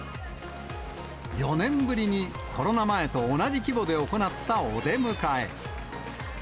４年ぶりにコロナ前と同じ規模で行ったお出迎え。